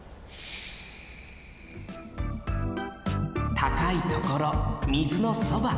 たかいところ水のそば